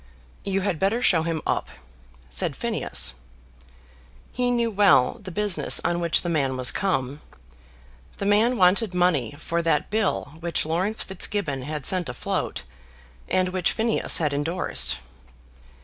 "You had better show him up," said Phineas. He knew well the business on which the man was come. The man wanted money for that bill which Laurence Fitzgibbon had sent afloat, and which Phineas had endorsed.